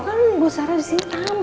kan bu sarah disini tamu